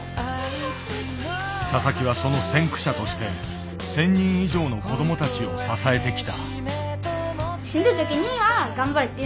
佐々木はその先駆者として千人以上の子どもたちを支えてきた。